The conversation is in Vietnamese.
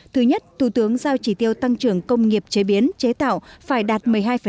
thứ nhất thủ tướng giao chỉ tiêu tăng trưởng công nghiệp chế biến chế tạo phải đạt một mươi hai